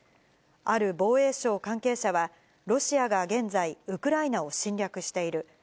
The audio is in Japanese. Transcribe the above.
ある防衛省関係者は、ロシアが現在、ウクライナを侵略している。